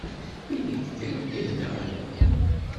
Ini-d kan ih neɣ ala.